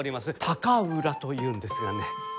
高浦というんですがね。